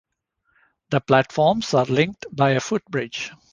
The platforms are linked by a footbridge.